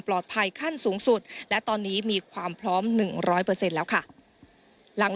ขั้นสูงสุดและตอนนี้มีความพร้อม๑๐๐แล้วค่ะหลัง